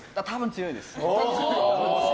強いです。